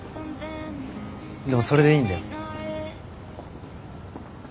でもそれでいいんだよ。